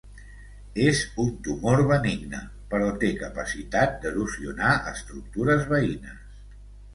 És un tumor benigne però té capacitat d'erosionar estructures veïnes.